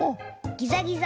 ギザギザ？